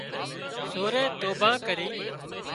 سورئي توڀان ڪري